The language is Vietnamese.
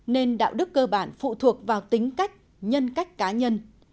nên đạo đức cơ bản phụ thuộc vào tính cách nhân cách cá nhân